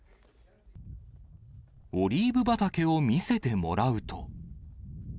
オリーブ畑を見せてもらうと。